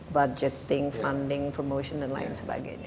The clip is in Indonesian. budgeting funding promotion dan lain sebagainya